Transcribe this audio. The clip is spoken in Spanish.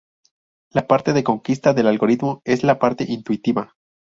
La parte de conquista del algoritmo es la parte intuitiva.